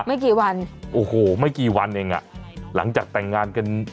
ไม่กี่วันโอ้โหไม่กี่วันเองอ่ะหลังจากแต่งงานกัน